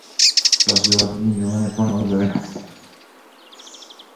تاسو د ونې پاڼې وګورئ.